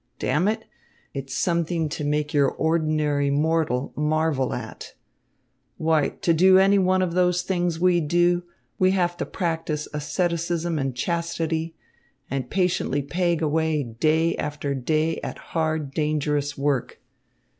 Damn it! It's something to make your ordinary mortal marvel at. Why, to do any one of the many things we do, we have to practise asceticism and chastity, and patiently peg away day after day at hard, dangerous work.